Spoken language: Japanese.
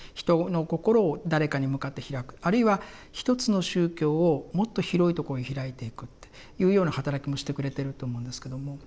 人の心を誰かに向かって開くあるいはひとつの宗教をもっと広いところに開いていくっていうような働きもしてくれてると思うんですけども。